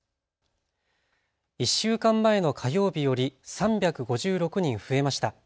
１週間前の火曜日より３５６人増えました。